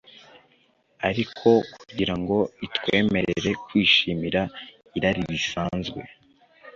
Ariko kugira ngo itwemerere kwishimira irari risanzwe,